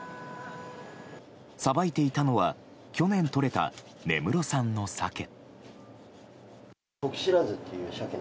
さばいていたのは去年とれた根室産のサケ。